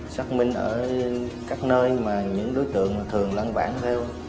xác minh ở các nơi mà những đối tượng thường lăn bản theo